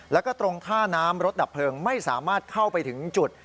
แล้วก็ตรงท่าน้ำรถดับเพลิงไม่สามารถเข้าไปถึงจุด